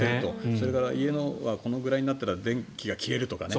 それから、家がこれぐらいになったら電気が消えるとかね。